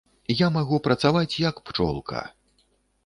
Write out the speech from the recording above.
Я магу працаваць, як пчолка.